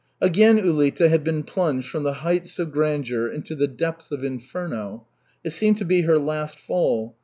Again Ulita had been plunged from the heights of grandeur into the depths of inferno. It seemed to be her last fall.